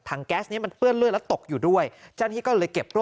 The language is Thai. ทั้งแก๊สนี้มันเปิ้ลเลือดแล้วตกอยู่ด้วยจ้านที่ก็เลยเก็บโล